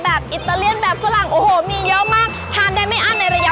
อิตาเลียนแบบฝรั่งโอ้โหมีเยอะมากทานได้ไม่อั้นในระยะ